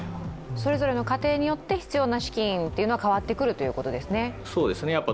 それぞれの家庭によって必要資金というのは変わってくるということですね。